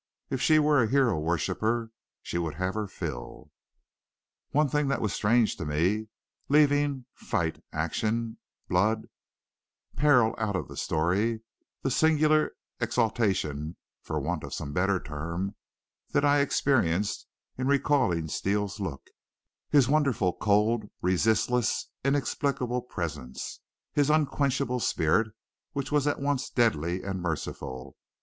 If she were a hero worshiper she would have her fill. One thing that was strange to me leaving fight, action, blood, peril out of the story the singular exultation, for want of some better term, that I experienced in recalling Steele's look, his wonderful cold, resistless, inexplicable presence, his unquenchable spirit which was at once deadly and merciful.